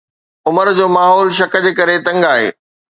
عمر جو ماحول شڪ جي ڪري تنگ آهي